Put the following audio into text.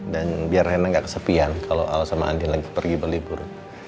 dan biar rena nggak kesepian kalau elsa sama andi lagi pergi berlibur